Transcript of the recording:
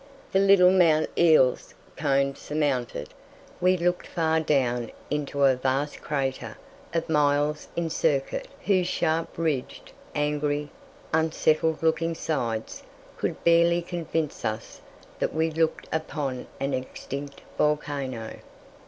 The little Mount Eeles cone surmounted, we looked far down into a vast crater of miles in circuit, whose sharp ridged, angry, unsettled looking sides could barely convince us that we looked upon an extinct volcano.